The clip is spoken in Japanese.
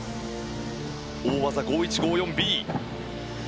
大技、５１５４Ｂ。